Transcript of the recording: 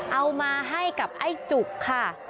เอามาให้กับไอ้จุกค่ะ